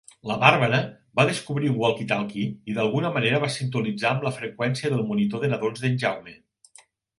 La Bàrbara va descobrir un "walkie-talkie" i d'alguna manera va sintonitzar amb la freqüència del monitor de nadons d'en Jaume.